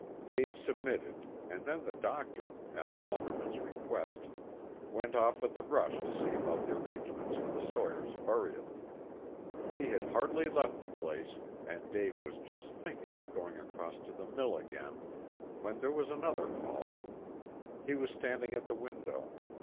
Dave submitted, and then the doctor, at the lumberman's request, went off with a rush to see about the arrangements for the sawyer's burial. He had hardly left the place, and Dave was just thinking of going across to the mill again, when there was another call. He was standing at the window.